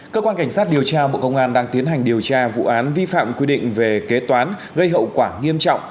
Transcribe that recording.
cơ quan cảnh sát điều tra bộ công an đang tiến hành điều tra vụ án vi phạm quy định về kế toán gây hậu quả nghiêm trọng